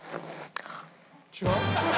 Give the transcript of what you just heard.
違う？